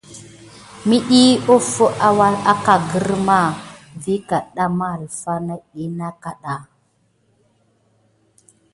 Məs dələf alək dit ɗiy na aka grum vi kaɗɗa matuhya nawbel haya.